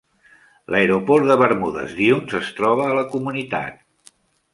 L'aeroport de Bermudes Dunes es troba a la comunitat.